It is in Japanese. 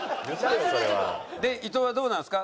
で伊藤はどうなんですか？